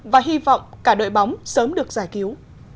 và hy vọng cả đội bóng sớm được giải cứu